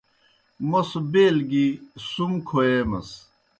موْس بیل گیْ سُم کھوییمَس۔